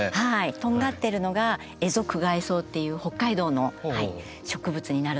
とんがってるのがエゾクガイソウという北海道の植物になるんですけれども。